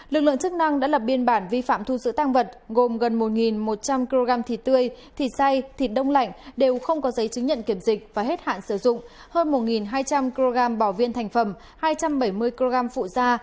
lực lượng chức năng đã lập biên bản vi phạm thu giữ tăng vật gồm gần một một trăm linh kg thịt tươi thịt say thịt đông lạnh đều không có giấy chứng nhận kiểm dịch và hết hạn sử dụng hơn một hai trăm linh kg bỏ viên thành phẩm hai trăm bảy mươi kg phụ da